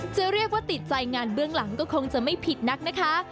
จะเรียกว่าติดใจงานเบื้องหลังก็คงจะไม่ผิดนักนะคะ